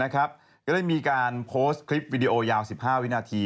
ก็ได้มีการโพสต์คลิปวิดีโอยาว๑๕วินาที